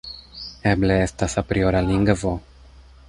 Eble estas apriora lingvo.